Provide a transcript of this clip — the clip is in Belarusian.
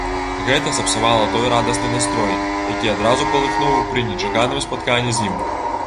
Гэта сапсавала той радасны настрой, які адразу палыхнуў пры нечаканым спатканні з ім.